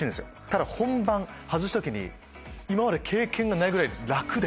ただ本番外した時に今まで経験がないぐらい楽で。